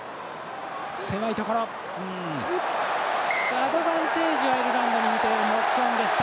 アドバンテージアイルランドにみてノックオンでした。